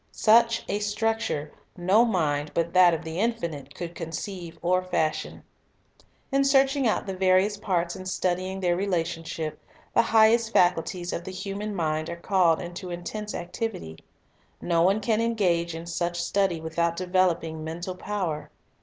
Such a structure no mind but that of the Infinite could conceive or fashion. In searching out the various parts and studying their intcih ctuni relationship, the highest faculties of the human mind are Discipline r ° called into intense activity. No one can engage in such study without developing mental power.